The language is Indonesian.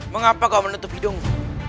mengapa kau menutup hidungmu